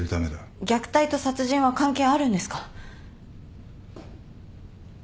虐待と殺人は関係あるんですか？